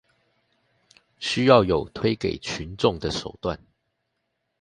需要有推給群眾的手段